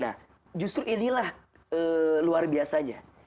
nah justru inilah luar biasanya